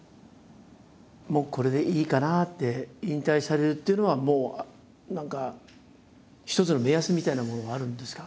もうこれでいいかなって引退されるっていうのはもう何か一つの目安みたいなものはあるんですか？